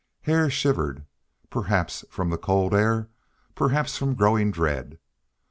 Hare shivered, perhaps from the cold air, perhaps from growing dread.